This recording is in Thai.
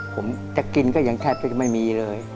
ผมจะกินก็ยังแทบจะไม่มีเลย